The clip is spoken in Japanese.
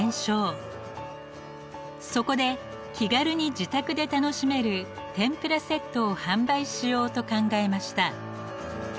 そこで気軽に自宅で楽しめる天ぷらセットを販売しようと考えました。